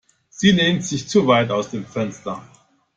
Sie lehnt sich zu weit aus dem Fenster.